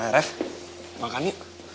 reva makan yuk